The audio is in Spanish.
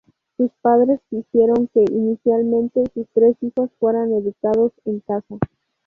Sus padres quisieron que, inicialmente, sus tres hijos fueran educados en casa.